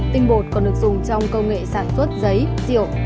tinh bột còn được dùng trong công nghệ sản xuất giấy rượu